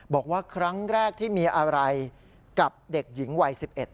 บอกว่าครั้งแรกที่มีอะไรกับเด็กหญิงวัย๑๑